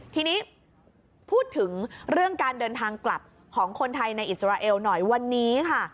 ทีนี้พูดถึงเรื่องการเดินทางกลับของคนไทยในอิสราเอลหน่อยวันนี้ค่ะ